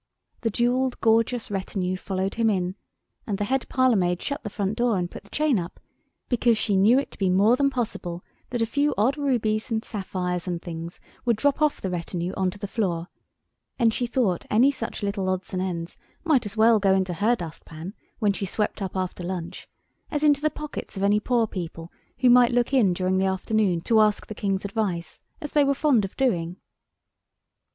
The jewelled gorgeous retinue followed him in, and the head parlour maid shut the front door and put the chain up, because she knew it to be more than possible that a few odd rubies and sapphires and things would drop off the retinue on to the floor, and she thought any such little odds and ends might as well go into her dust pan, when she swept up after lunch, as into the pockets of any poor people who might look in during the afternoon to ask the King's advice, as they were fond of doing.